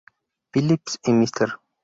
Phillips y Mr.